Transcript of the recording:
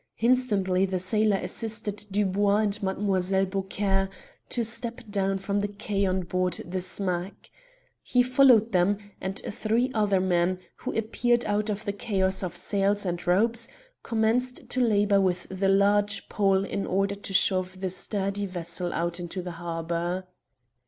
Instantly the sailor assisted Dubois and Mademoiselle Beaucaire to step down from the quay on board the smack. He followed them, and three other men, who appeared out of the chaos of sails and ropes, commenced to labour with a large pole in order to shove the sturdy vessel out into the harbour.